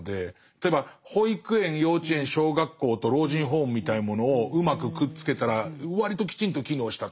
例えば保育園幼稚園小学校と老人ホームみたいなものをうまくくっつけたら割ときちんと機能したとかということがあったりとか。